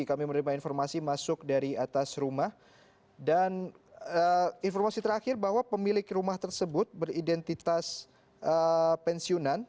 kami menerima informasi masuk dari atas rumah dan informasi terakhir bahwa pemilik rumah tersebut beridentitas pensiunan